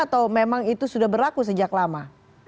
atau memang itu sudah berlaku sejak lama